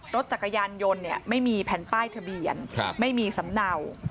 รถจักรยานยนต์ไม่มีแผ่นป้ายทะเบียนไม่มีสำเนา